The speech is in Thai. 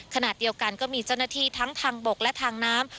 ขณะเดียวกันก็มีเจ้าหน้าที่ทั้งทางบกและทางน้ำ